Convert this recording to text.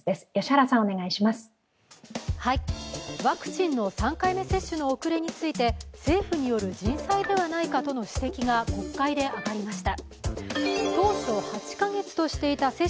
ワクチンの３回目接種の遅れについて政府による人災ではないかとの指摘が国会で挙がりました。